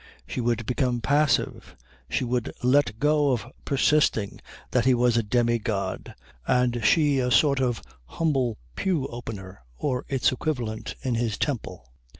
She would become passive. She would let go of persisting that he was a demi god and she a sort of humble pew opener or its equivalent in his temple.